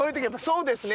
「そうですね」。